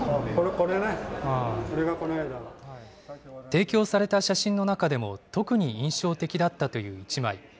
提供された写真の中でも特に印象的だったという１枚。